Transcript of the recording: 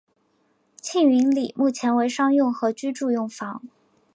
庆云里目前为商用和居住用房。